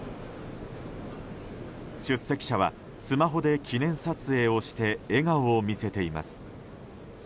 出席者はスマホで記念撮影をして笑顔を見せています。